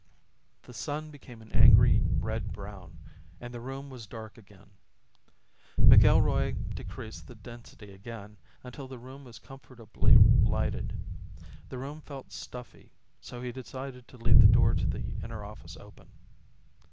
The sun became an angry red brown, and the room was dark again. McIlroy decreased the density again until the room was comfortably lighted. The room felt stuffy, so he decided to leave the door to the inner office open.